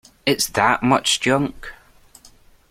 It's that much junk.